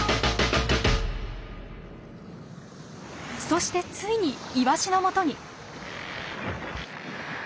そしてついにイワシのもとに。